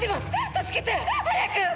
助けて！早く！